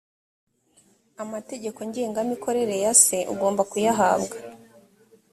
amategeko ngengamikorere yase ugomba kuyahabwa